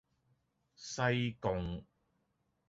西貢